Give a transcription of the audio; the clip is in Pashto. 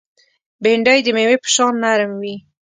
بېنډۍ د مېوې په شان نرم وي